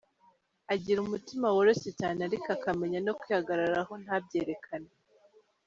Agira umutima woroshye cyane ariko akamenya no kwihagararaho ntabyerekane.